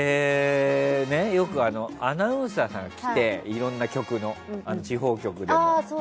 よく、アナウンサーさんが来ていろんな地方局の。